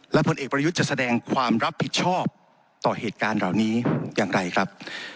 และผลเอกประยุทธ์จะแสดงความรับผิดชอบต่อเหตุการณ์เหล่านี้อย่างไรครับ